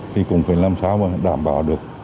thì cũng phải làm sao mà đảm bảo được